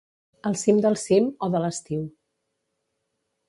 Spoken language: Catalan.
El cim del cim o de l'estiu.